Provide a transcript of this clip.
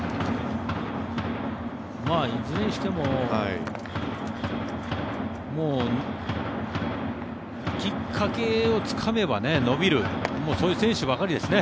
いずれにしても、もうきっかけをつかめば伸びるそういう選手ばかりですね。